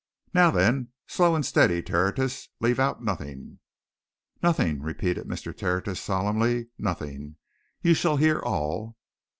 Now then, slow and steady, Tertius leave out nothing!" "Nothing!" repeated Mr. Tertius solemnly. "Nothing! You shall hear all.